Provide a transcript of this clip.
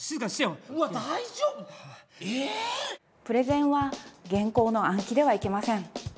プレゼンは原稿の暗記ではいけません。